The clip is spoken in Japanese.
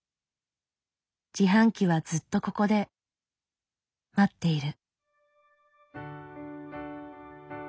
自販機はずっとここで待っている。